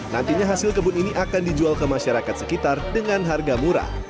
nantinya hasil kebun ini akan dijual ke masyarakat sekitar dengan harga murah